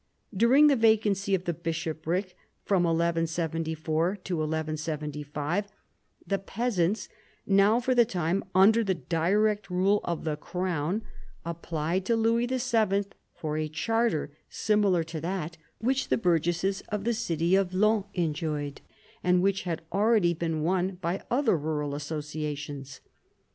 During the vacancy of the bishopric, 1174 1175, the peasants, now for the time under the direct rule of the crown, applied to Louis VII. for a charter similar to that which the burgesses of the city of Laon enjoyed, and which had already been won by other rural associations.